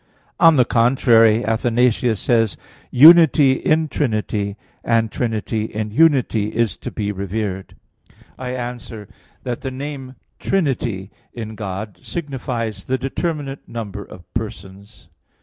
On the contrary, Athanasius says: "Unity in Trinity; and Trinity in Unity is to be revered." I answer that, The name "Trinity" in God signifies the determinate number of persons.